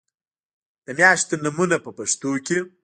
د میاشتو نومونه په پښتو کې